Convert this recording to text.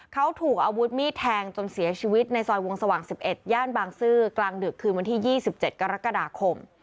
เขาถูกอาวุธมีดแทงจนเสียชีวิตในซอยวงสว่าง๑๑ย่านบางซื่อกลางดึกคืนวันที่๒๗กรกฎาคม